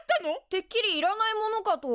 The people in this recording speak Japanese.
てっきりいらないものかと。